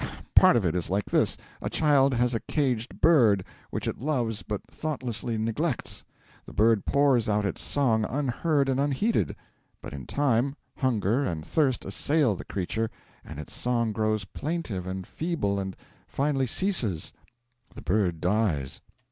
Part of it is like this: A child has a caged bird, which it loves but thoughtlessly neglects. The bird pours out its song unheard and unheeded; but, in time, hunger and thirst assail the creature, and its song grows plaintive and feeble and finally ceases the bird dies.